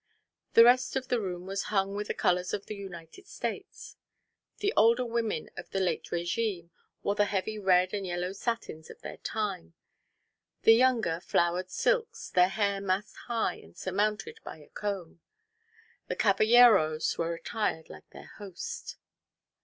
The rest of the room was hung with the colours of the United States. The older women of the late régime wore the heavy red and yellow satins of their time, the younger flowered silks, their hair massed high and surmounted by a comb. The caballeros were attired like their host.